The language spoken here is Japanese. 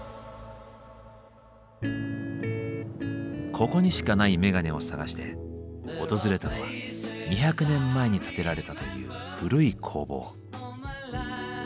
ここにしかないメガネを探して訪れたのは２００年前に建てられたという古い工房。